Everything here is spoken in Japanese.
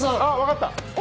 わかった。